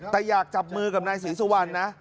แต่อยากจับมือกับนายศรีสุวรรณนะ